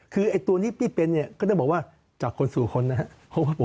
คือไอ้ตัวนี้พี่เป็นเนี่ยก็ต้องบอกว่าจากคนสู่คนนะครับ